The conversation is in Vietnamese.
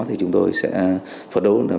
thì chúng tôi sẽ phật đấu